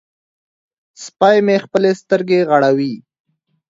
سپی مې خپلې سترګې غړوي.